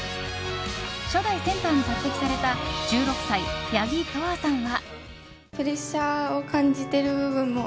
初代センターに抜擢された１６歳、八木仁愛さんは。